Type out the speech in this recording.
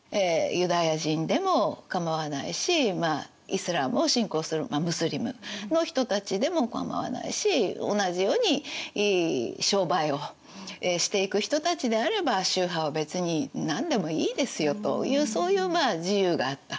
イスラームを信仰するムスリムの人たちでもかまわないし同じように商売をしていく人たちであれば宗派は別に何でもいいですよというそういう自由があった。